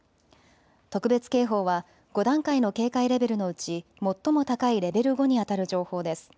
特別警報は５段階の警戒レベルのうち最も高いレベル５にあたる情報です。